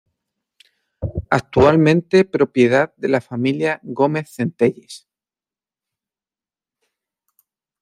Actualmente propiedad de la familia Gómez Centelles.